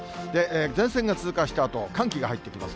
前線が通過したあと、寒気が入ってきます。